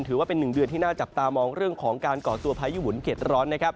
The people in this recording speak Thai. ถือว่าเป็น๑เดือนที่น่าจับตามองเรื่องของการก่อตัวพายุหมุนเด็ดร้อนนะครับ